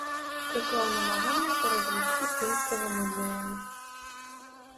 Прыклаў намаганні па развіцці пінскага музея.